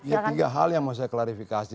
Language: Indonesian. ya tiga hal yang mau saya klarifikasi